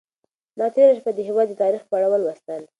ما تېره شپه د هېواد د تاریخ په اړه ولوستل.